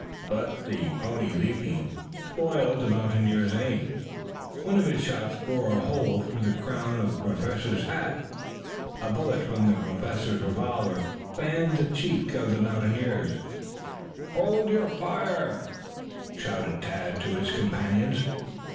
But the pony leaping, spoiled the mountaineer's aim. One of his shots bored a hole through the crown of the Professor's hat. A bullet from the Professor's revolver fanned the cheek of the mountaineer. "Hold your fire!" shouted Tad to his companions.